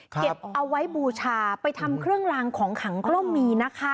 เก็บเอาไว้บูชาไปทำเครื่องลางของขังก็มีนะคะ